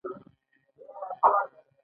د ګټې او تاوان سنجش پکې نشته.